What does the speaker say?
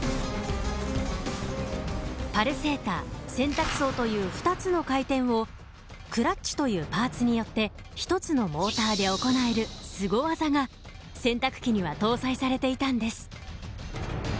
パルセーター洗濯槽という２つの回転をクラッチというパーツによって１つのモーターで行えるすご技が洗濯機には搭載されていたんです。